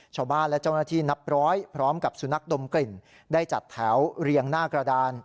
ชาวบ้านและเจ้าหน้าที่นับร้อยพร้อมกับสุนัขดมกลิ่นได้จัดแถวเรียงหน้ากระดาน